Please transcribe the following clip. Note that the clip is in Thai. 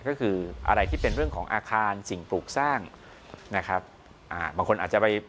ก็คืออะไรที่เป็นเรื่องของอาคารสิ่งปลูกสร้างนะครับอ่าบางคนอาจจะไป